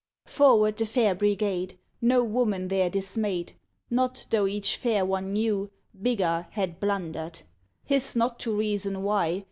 Forward the fair brigade. No woman there dismayed. Not though each fair one knew Biggar had blundered. His not to reason why.